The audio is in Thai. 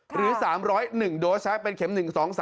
๕๒๙๓๐๑หรือ๓๐๑โดสด์ใช้เป็นเข็ม๑๒๓และ๔